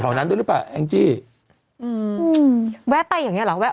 แถวนั้นด้วยหรือเปล่าแอ้งจี้อืมแวะไปอย่างเงี้ยหรอ